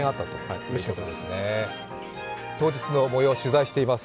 当日のもよう、取材しています。